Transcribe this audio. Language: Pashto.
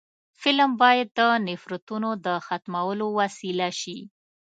فلم باید د نفرتونو د ختمولو وسیله شي